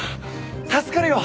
助かるよ！